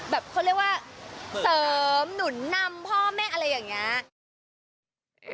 เขาเรียกว่าเสริมหนุนนำพ่อแม่อะไรอย่างนี้